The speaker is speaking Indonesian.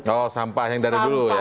kalau sampah yang dari dulu ya